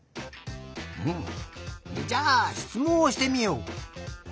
ふむじゃあしつもんをしてみよう。